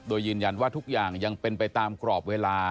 โดยยืนยันว่าทุกอย่างยังเป็นไปตามกรอบเวลา